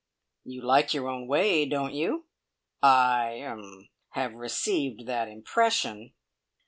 "You like your own way, don't you? I er I have received that impression."